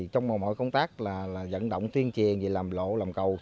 trong mọi công tác dẫn động tuyên truyền làm lộ làm cầu